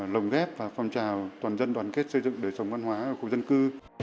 lồng ghép và phong trào toàn dân đoàn kết xây dựng đời sống văn hóa ở khu dân cư